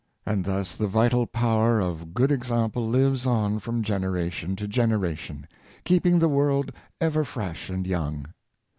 And thus the vital power of good example lives on from gen eration to generation, keeping the world ever fresh and young.